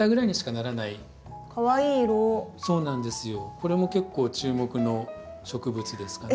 これも結構注目の植物ですかね。